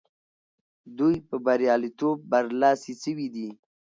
دوی په بریالیتوب برلاسي سوي دي.